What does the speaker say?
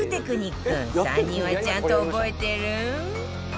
３人はちゃんと覚えてる？